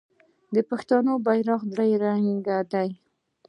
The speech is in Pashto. د پښتنو بیرغ درې رنګه دی.